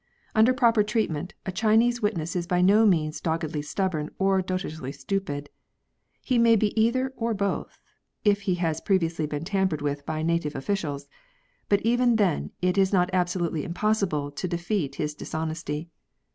Under proper treatment, a Chinese witness is by no means doggedly stubborn or doltishly stupid ; he may be either or both if he has previously been tampered with by native officials, but even then it is not absolutely impossible to defeat his dishonesty.